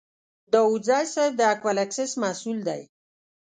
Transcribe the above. داوودزی صیب د اکول اکسیس مسوول دی.